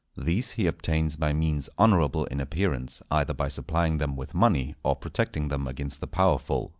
These he obtains by means honourable in appearance, either by supplying them with money or protecting them against the powerful.